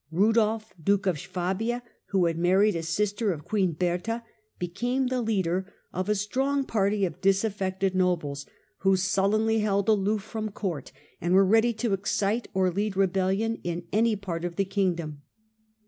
Budolf, duke of Swabia, who had married a sister of queen Bertha, became the leader of a strong party of disaf fected nobles, who sullenly held aloof from court and were ready to excite or lead rebellion in any part of the kingdom.